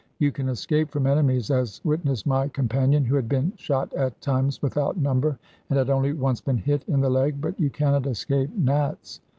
You can escape from enemies, as witness my companion, who had been shot at times without number and had only once been hit, in the leg, but you cannot escape Nats.